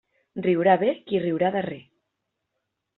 Riurà bé qui riurà darrer.